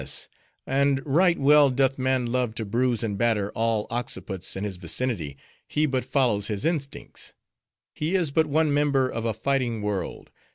"Ah, yes. And right well doth man love to bruise and batter all occiputs in his vicinity; he but follows his instincts; he is but one member of a fighting world.